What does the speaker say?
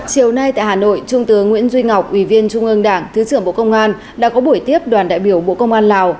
chiều nay tại hà nội trung tướng nguyễn duy ngọc ủy viên trung ương đảng thứ trưởng bộ công an đã có buổi tiếp đoàn đại biểu bộ công an lào